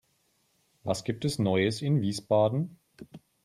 Was gibt es Neues in Wiesbaden?